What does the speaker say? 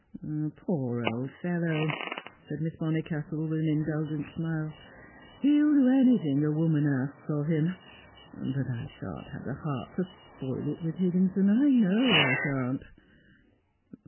"Poor old fellow!" said Miss Bonnicastle, with an indulgent smile, "he'll do anything a woman asks of him. But I shan't have the heart to spoil it with Higginson; I know I shan't."